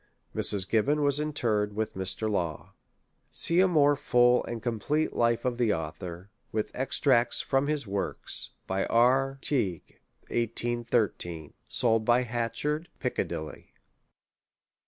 Mrs, Gibbon was interred with Mr. Law. \_See a more full and complete Life of the Author, unth Extracts from his Works. By R. Tighe. 8vo. 1813. Sold by Hatchdrd, Piccadilli